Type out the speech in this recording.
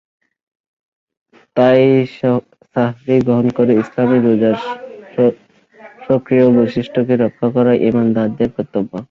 তাই সাহরি গ্রহণ করে ইসলামি রোজার স্বকীয় বৈশিষ্ট্যকে রক্ষা করা ইমানদারদের কর্তব্য।